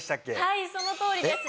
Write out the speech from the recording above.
はいそのとおりです。